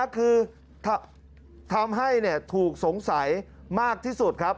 คือทำให้ถูกสงสัยมากที่สุดครับ